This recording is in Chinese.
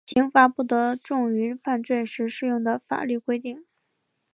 刑罚不得重于犯罪时适用的法律规定。